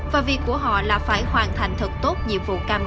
và việc của họ là phải hoàn thành thật tốt nhiệm vụ cao nhất